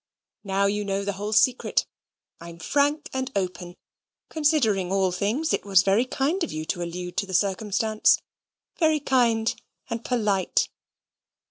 Now you know the whole secret. I'm frank and open; considering all things, it was very kind of you to allude to the circumstance very kind and polite.